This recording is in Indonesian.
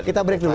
kita break dulu